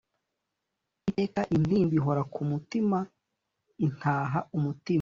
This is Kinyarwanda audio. Iteka intimba ihora kumutima Intaha umutima